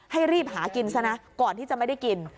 ให้รีบหากินซะนะก่อนที่จะไม่ได้กิน